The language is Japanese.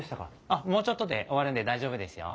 あっもうちょっとで終わるんで大丈夫ですよ。